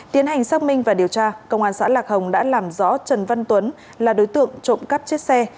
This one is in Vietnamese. tiến hành xác minh và điều tra công an xã lạc hồng đã làm rõ trần văn tuấn là đối tượng trộm cắp chiếc xe